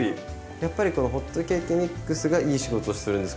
やっぱりこのホットケーキミックスがいい仕事をするんですか？